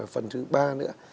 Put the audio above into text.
phần thứ ba nữa